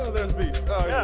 oh ada beast